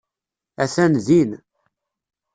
Atan din.